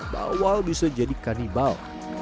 bawal bisa jadi kanibal